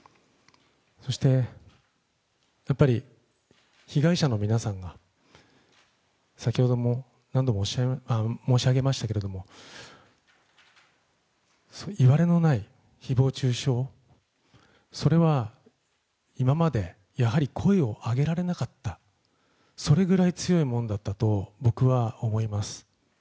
そして、やっぱり被害者の皆さんが先ほども何度も申し上げましたけど、いわれのない誹謗中傷、それは今までやはり声を上げられなかった、それぐらい強いものだったと僕は思います。